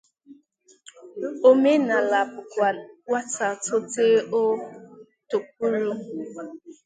Omenala bụkwà nwata tote o tokwuru